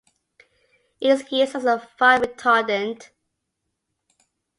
It is used as a fire retardant.